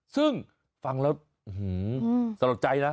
ซึ่งฟังแล้วหือสะดวกใจนะ